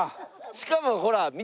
しかもほら見て。